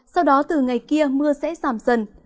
sau đó từ ngày kia mưa sẽ giảm dần